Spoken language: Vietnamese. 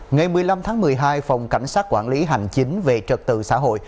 ngày một mươi năm tháng một mươi hai phòng cảnh sát quản lý hành chính về trật tự xã hội